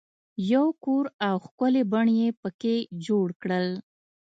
یو کور او ښکلی بڼ یې په کې جوړ کړل.